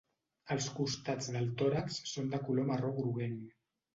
Els costats del tòrax són de color marró groguenc.